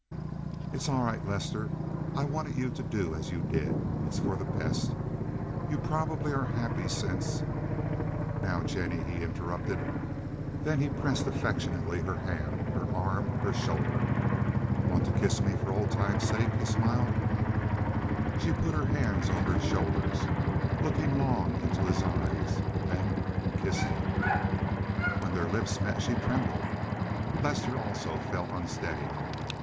"It's all right, Lester. I wanted you to do as you did. It's for the best. You probably are happy since—" "Now, Jennie," he interrupted; then he pressed affectionately her hand, her arm, her shoulder. "Want to kiss me for old times' sake?" he smiled. She put her hands over his shoulders, looked long into his eyes, then kissed him. When their lips met she trembled. Lester also felt unsteady.